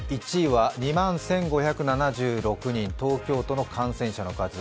１位は２万１５７６人、東京都の感染者の数。